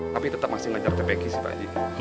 tapi tetap masih menjaga cpk